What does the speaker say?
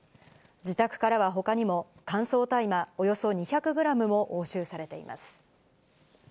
自宅からはほかにも、乾燥大麻およそ２００グラムも押収されています。